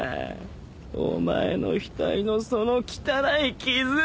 お前の額のその汚い傷！